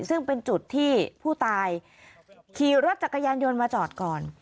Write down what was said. ซึ่งเป็นจุดที่ผู้ตายขี่รถจักรยานยนต์มาจอดก่อน